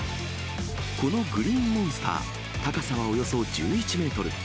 このグリーンモンスター、高さはおよそ１１メートル。